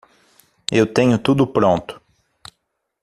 Eu tenho tudo pronto.